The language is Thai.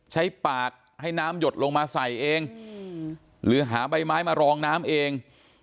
ใช้ปากให้น้ำหยดลงมาใส่เองหรือหาใบไม้มารองน้ำเอง